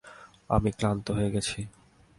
আমি ক্লান্ত হয়ে গেছি।